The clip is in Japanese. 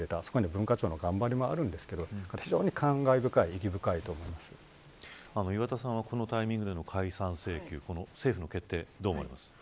文化庁の頑張りもあるんですけど非常に感慨深い岩田さんはこのタイミングでの解散請求政府の決定、どう思われますか。